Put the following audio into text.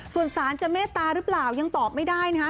ส่วนสารจะเมตตาหรือเปล่ายังตอบไม่ได้นะคะ